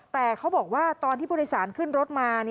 แต่เขาบอกว่าตอนที่ผู้โดยสารขึ้นรถมา